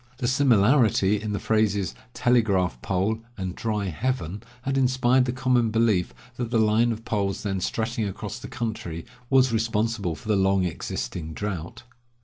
The similarity in the phrases, telegraph pole and dry heaven, had inspired the common belief that the line of poles then stretching across the country was responsible for the long existing drought.